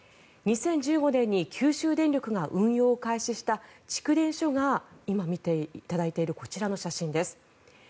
２０１５年に九州電力が運用を開始した蓄電所が今、見ていただいているこちらの写真です。